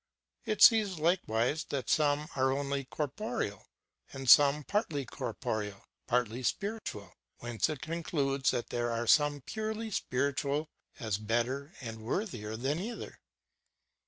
It sees, likewise, that some are only corporeal, and some partly corporeal, partly spiritual ; whence it concludes tliat there are some purely spiritual, as better and w'orthier than either.